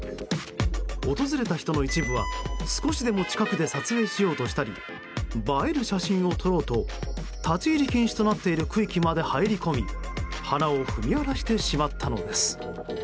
訪れた人の一部は少しでも近くで撮影しようとしたり映える写真を撮ろうと立ち入り禁止となっている区域まで入り込み花を踏み荒らしてしまったのです。